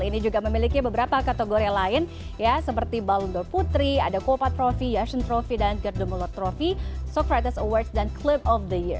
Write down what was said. ini juga memiliki beberapa kategori lain seperti ballon d or putri ada copa trophy yashin trophy dan gerdemuller trophy socrates awards dan clip of the year